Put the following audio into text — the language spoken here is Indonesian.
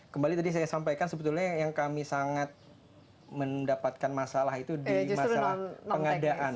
kembali tadi saya sampaikan sebetulnya yang kami sangat mendapatkan masalah itu di masalah pengadaan